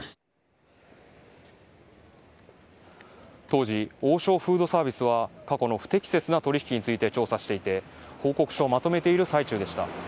当時、王将フードサービスは過去の不適切な取引について調査していて報告書をまとめている最中でした。